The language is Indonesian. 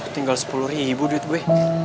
tinggal sepuluh ribu duit buy